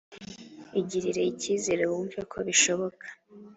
igirire icyizere wumve ko bishoboka.